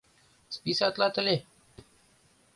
— Списатлат ыле.